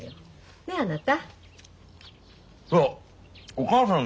ねえあなた。